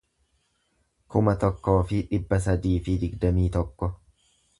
kuma tokkoo fi dhibba sadii fi digdamii tokko